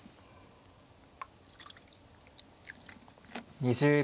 ２０秒。